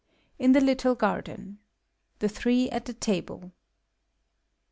IN THE LITTLE GARDEN. The Three at the Table.